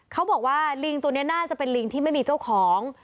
เขาบอกว่าลิงตัวนี้น่าจะเป็นลิงที่ไม่มีเจ้าของ